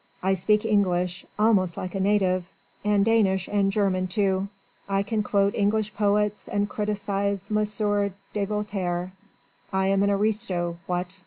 I speak English almost like a native and Danish and German too. I can quote English poets and criticise M. de Voltaire. I am an aristo, what?